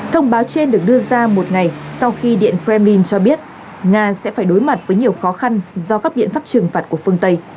thông báo trên được đưa ra một ngày sau khi điện kremlin cho biết nga sẽ phải đối mặt với nhiều khó khăn do các biện pháp trừng phạt của phương tây